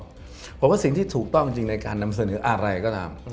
เพราะว่าสิ่งที่ถูกต้องจริงในการนำเสนออะไรก็ตาม